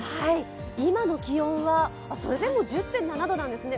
今の気温は、それでも１０．７度なんですね。